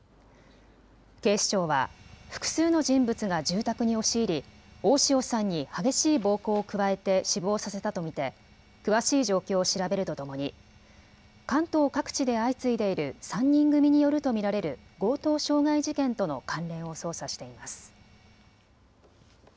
警視庁は複数の人物が住宅に押し入り大塩さんに激しい暴行を加えて死亡させたと見て詳しい状況を調べるとともに関東各地で相次いでいる３人組によると見られる強盗傷害事件との関連を捜査しています。